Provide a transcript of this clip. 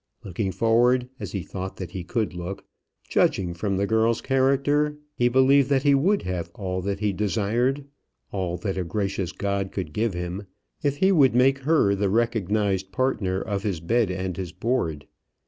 Looking forward, as he thought that he could look, judging from the girl's character, he believed that he would have all that he desired, all that a gracious God could give him, if he would make her the recognised partner of his bed and his board.